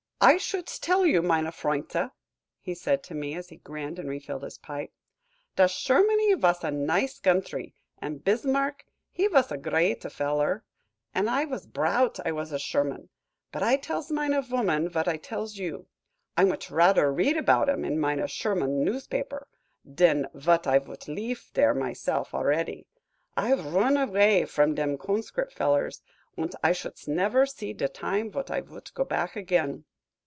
"I shoost dell you, mine frient," he said to me, as he grinned and refilled his pipe, "dot Shermany vos a nice guntry, and Bismarck he vos a grade feller, und I vos brout I vos a Sherman; but I dells mine vooman vot I dells you, I mooch rahder read aboud 'em in mine Sherman newsbaper, dan vot I voot leef dere myself, already. I roon avay vrom dem conscrip' fellers, und I shoost never seed de time vot I voot go back again.